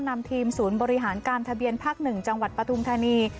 นำทีมศูนย์บริหารการทะเบียนภาค๑จังหวัดปฐุมธานี